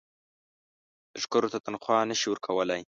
لښکرو ته تنخوا نه شي ورکولای.